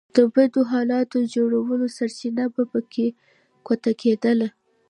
د بدو حالاتو جوړولو سرچينه به په ګوته کېده.